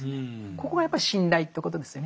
ここがやっぱり信頼ということですよね。